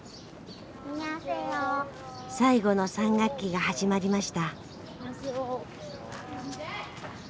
最後の３学期が始まりました。